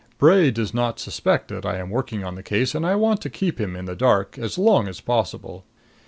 Bray does not suspect that I am working on the case and I want to keep him in the dark as long as possible.